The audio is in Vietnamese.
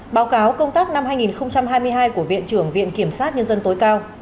báo cáo công tác năm hai nghìn hai mươi hai của viện trưởng viện kiểm sát nhân dân tối cao